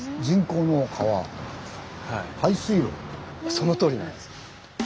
そのとおりなんです。